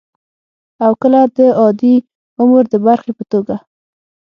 او کله د عادي عمر د برخې په توګه